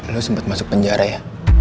lo sempat masuk penjara ya